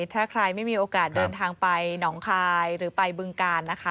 ถ้าใครไม่มีโอกาสเดินทางไปหนองคายหรือไปบึงการนะคะ